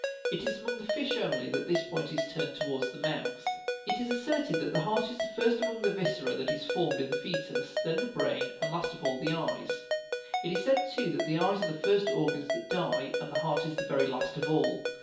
It is among the fish only that this point is turned towards the mouth. It is asserted that the heart is the first among the viscera that is formed in the foetus, then the brain, and last of all, the eyes : it is said, too, that the eyes are the first organs that die, and the heart the very last of all.